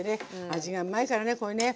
味がうまいからねこれね。